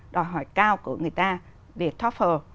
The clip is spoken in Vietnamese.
đòi hỏi cao của người ta về toefl